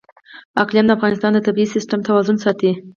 اقلیم د افغانستان د طبعي سیسټم توازن ساتي.